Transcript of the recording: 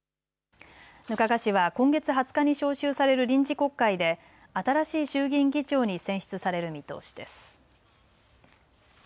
額賀氏は今月２０日に召集される臨時国会で新しい衆議院議長に選出される見通しです。